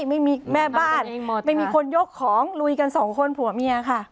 ไม่มีแม่บ้านไม่มีคนยกของลุยกันสองคนผัวเมียค่ะ